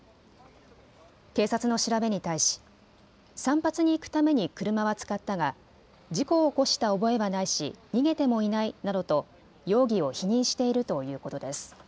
警察の調べに対し散髪に行くために車は使ったが事故を起こした覚えはないし逃げてもいないなどと容疑を否認しているということです。